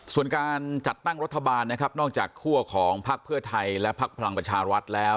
ส่วนการจัดตั้งรัฐบาลนะครับนอกจากคั่วของพักเพื่อไทยและพักพลังประชารัฐแล้ว